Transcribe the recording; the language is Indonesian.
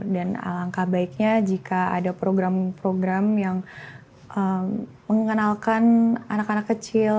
dan alangkah baiknya jika ada program program yang mengenalkan anak anak kecil